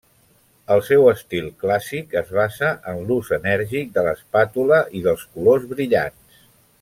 El seu estil clàssic es basa en l'ús enèrgic de l'espàtula i dels colors brillants.